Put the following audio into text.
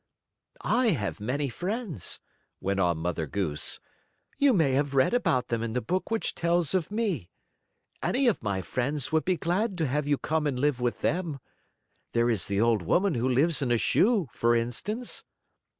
"I have many friends," went on Mother Goose. "You may have read about them in the book which tells of me. Any of my friends would be glad to have you come and live with them. There is the Old Woman Who Lives in a Shoe, for instance."